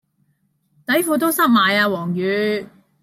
底褲都濕埋啊黃雨